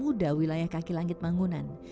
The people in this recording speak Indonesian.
muda wilayah kaki langit manggunan